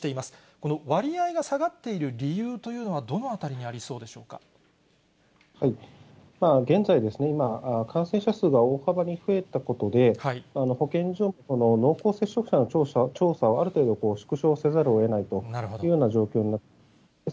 この割合が下がっている理由というのは、どのあたりにありそうで現在、今、感染者数が大幅に増えたことで、保健所の濃厚接触者の調査をある程度、縮小せざるをえないというような状況になっています。